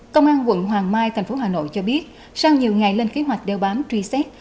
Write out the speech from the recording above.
công an quận hoàng mai thành phố hà nội cho biết sau nhiều ngày lên kế hoạch đeo bám truy xét